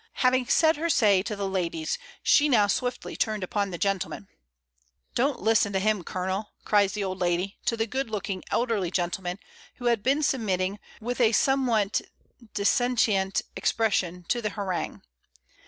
Having said her say to the ladies, she now swiftly turned upon the gentlemen. "Don't listen to him, Colonel," cries the old lady to the good looking elderly gentleman who had been submitting, with a somewhat dissentient ex pression, to the harangue.